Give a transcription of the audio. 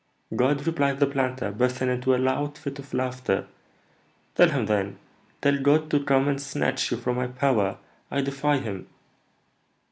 'God?' replied the planter, bursting into a loud fit of laughter, 'tell him, then, tell God to come and snatch you from my power! I defy him!'